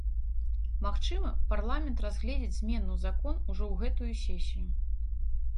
Магчыма, парламент разгледзіць змены ў закон ужо ў гэтую сесію.